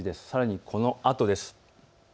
さらにこのあとです。